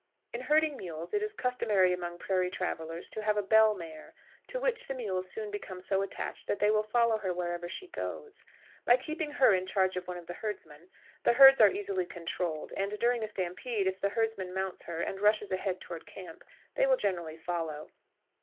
In herding mules it is customary among prairie travelers to have a bell mare, to which the mules soon become so attached that they will follow her wherever she goes. By keeping her in charge of one of the herdsmen, the herds are easily controlled; and during a stampede, if the herdsman mounts her, and rushes ahead toward camp, they will generally follow.